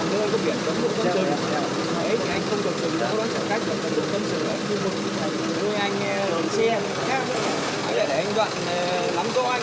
nơi nào có biển đón bộ tâm trường